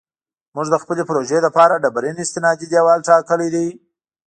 موږ د خپلې پروژې لپاره ډبرین استنادي دیوال ټاکلی دی